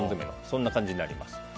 そんな感じになります。